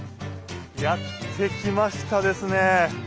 やって来ましたですね。